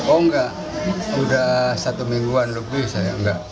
oh enggak udah satu mingguan lebih saya enggak